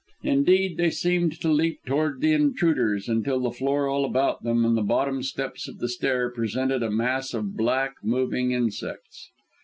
Indeed, they seemed to leap towards the intruders, until the floor all about them and the bottom steps of the stair presented a mass of black, moving insects.